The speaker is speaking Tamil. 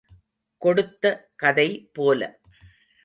கொடுத்த கதை போல.